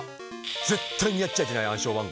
絶対にやっちゃいけない暗証番号４桁。